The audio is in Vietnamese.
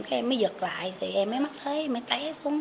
cái em mới giật lại thì em mới mắt thấy em mới té xuống dưới đường